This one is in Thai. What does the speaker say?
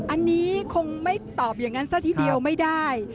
อันนี้คงไม่ตอบอย่างนั้นซะทีเดียวไม่ได้